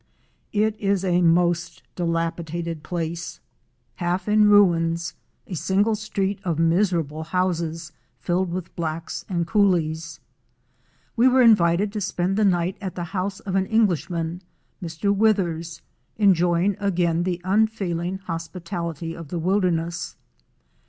It is a most dilapidated place, half in 246 OUR SEARCH FOR A WILDERNESS. ruins, a single street of miserable houses filled with blacks and coolies. We were invited to spend the night at the house of an Englishman, Mr. Withers, enjoying again the unfailing hospitality of the wilderness.